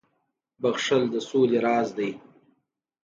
• بخښل د سولي راز دی.